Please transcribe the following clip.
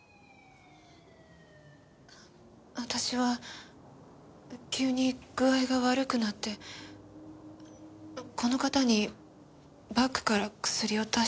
私は急に具合が悪くなってこの方にバッグから薬を出してもらって。